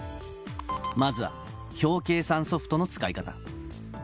まずは表計算ソフトの使い方。